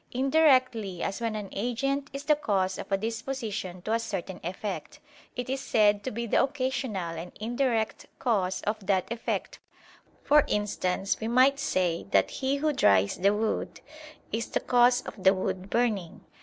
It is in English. Indirectly as when an agent is the cause of a disposition to a certain effect, it is said to be the occasional and indirect cause of that effect: for instance, we might say that he who dries the wood is the cause of the wood burning.